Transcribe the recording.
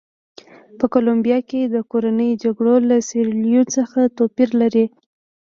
په کولمبیا کې کورنۍ جګړه له سیریلیون څخه توپیر لري.